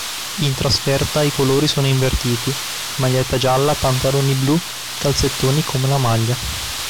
In trasferta i colori sono invertiti: maglietta gialla, pantaloncini blu, calzettoni come la maglia.